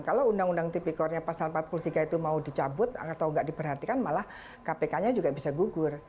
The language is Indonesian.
kalau undang undang tipikornya pasal empat puluh tiga itu mau dicabut atau nggak diperhatikan malah kpk nya juga bisa gugur